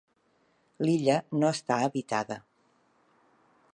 L'illa no està habitada.